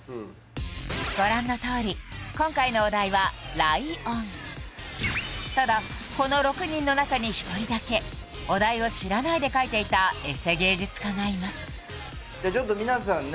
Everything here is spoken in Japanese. ご覧のとおり今回のお題はライオンただこの６人の中に１人だけお題を知らないで描いていたエセ芸術家がいますじゃちょっと皆さんね